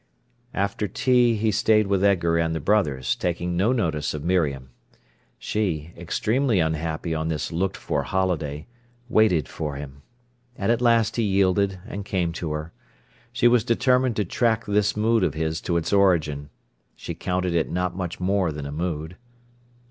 After tea he stayed with Edgar and the brothers, taking no notice of Miriam. She, extremely unhappy on this looked for holiday, waited for him. And at last he yielded and came to her. She was determined to track this mood of his to its origin. She counted it not much more than a mood.